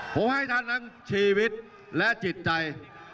ผมให้ท่านทั้งชีวิตและจิตใจ